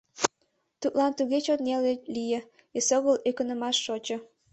Тудлан туге чот неле лие, эсогыл ӧкынымаш шочо.